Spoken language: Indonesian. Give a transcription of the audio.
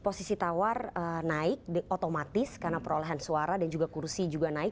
posisi tawar naik otomatis karena perolehan suara dan juga kursi juga naik